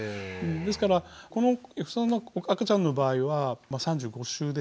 ですからこの赤ちゃんの場合は３５週でしたっけね？